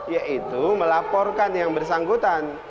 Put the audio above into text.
yaitu melaporkan yang bersangkutan